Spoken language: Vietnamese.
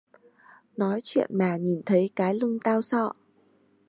Nói chuyện mà nhìn thấy cái lưng tao sợ